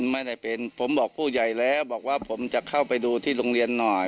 ไม่ได้เป็นผมบอกผู้ใหญ่แล้วบอกว่าผมจะเข้าไปดูที่โรงเรียนหน่อย